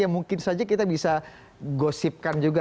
yang mungkin saja kita bisa gosipkan juga